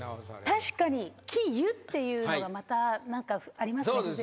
確かに「消ゆ」っていうのがまたなんかありますね